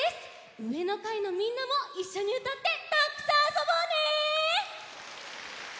うえのかいのみんなもいっしょにうたってたっくさんあそぼうね！